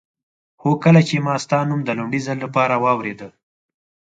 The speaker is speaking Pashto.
هو کله چې ما ستا نوم د لومړي ځل لپاره واورېده.